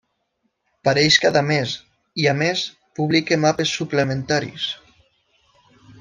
Pareix cada mes, i a més publica mapes suplementaris.